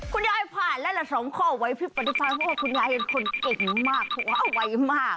คุณยายผ่านแล้วล่ะสองข้อไว้พี่ปฏิพันธ์เพราะว่าคุณยายเป็นคนเก่งมากเพราะว่าไวมาก